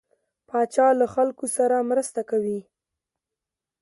پاچا له خلکو سره مرسته کوي.